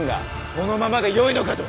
このままでよいのかと！